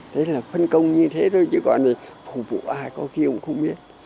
đấy là phân công như thế thôi chứ còn thì phục vụ ai có khi cũng không biết